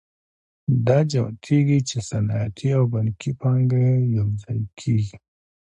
دا جوتېږي چې صنعتي او بانکي پانګه یوځای کېږي